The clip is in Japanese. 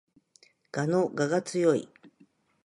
蛾の我が強い